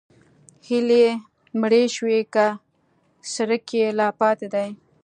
هیلې مړې شوي که څرک یې لا پاتې دی؟